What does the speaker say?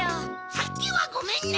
さっきはごめんね。